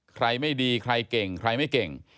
ไม่ดีใครเก่งใครไม่เก่ง